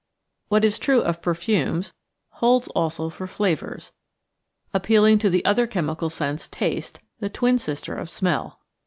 What is true of perfumes holds also for flavours appealing to the other chemical sense, taste, the twin sister of smell.